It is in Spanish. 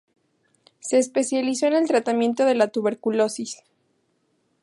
Se especializó en el tratamiento de la tuberculosis.